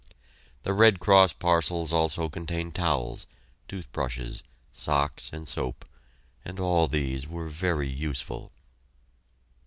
The Red Cross parcels also contained towels, toothbrushes, socks, and soap, and all these were very useful.